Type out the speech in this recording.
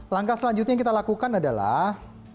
langkah selanjutnya yang kita lakukan adalah